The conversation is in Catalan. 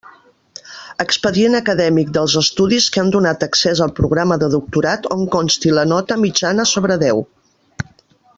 Expedient acadèmic dels estudis que han donat accés al programa de doctorat on consti la nota mitjana sobre deu.